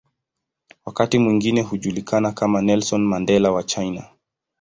Wakati mwingine hujulikana kama "Nelson Mandela wa China".